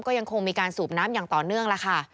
ก็ยังคงมีการสูบน้ำอย่างต่อเนื่องล่ะค่ะ